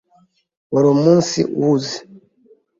Wari umunsi uhuze.